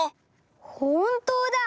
ほんとうだ！